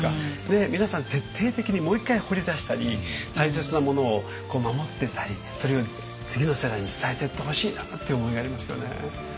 皆さん徹底的にもう一回掘り出したり大切なものを守ってったりそれを次の世代に伝えてってほしいなっていう思いがありますよね。